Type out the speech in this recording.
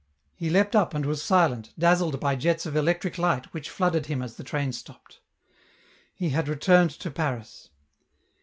He leapt up and was silent, dazzled by jets of electric light which flooded him as the train stopped. He had returned to Paris.